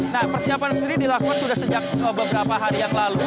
nah persiapan sendiri dilakukan sudah sejak beberapa hari yang lalu